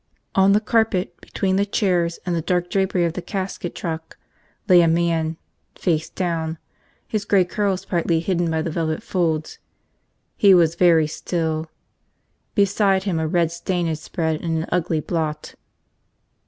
On the carpet between the chairs and the dark drapery of the casket truck lay a man, face down, his gray curls partly hidden by the velvet folds. He was very still. Beside him a red stain had spread in an ugly blot.